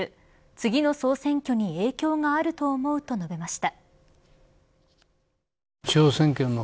次の総選挙に影響があると思うと述べました。